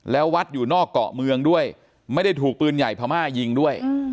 แล้ววัดอยู่นอกเกาะเมืองด้วยไม่ได้ถูกปืนใหญ่พม่ายิงด้วย